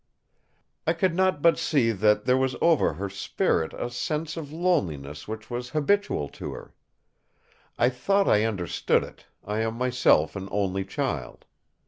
"I could not but see that there was over her spirit a sense of loneliness which was habitual to her. I thought I understood it; I am myself an only child.